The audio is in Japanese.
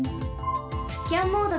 スキャンモード